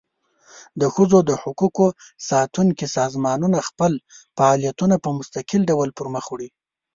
د ښځو د حقوقو ساتونکي سازمانونه خپل فعالیتونه په مستقل ډول پر مخ وړي.